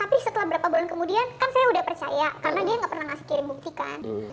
tapi setelah berapa bulan kemudian kan saya udah percaya karena dia nggak pernah ngasih kirim bukti kan